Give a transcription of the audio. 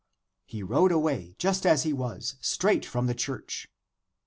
He rode away, just as he was, straight from the church.